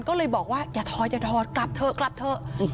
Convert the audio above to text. ก็เลยบอกว่าอย่าถอดอย่าถอดกลับเถอะกลับเถอะ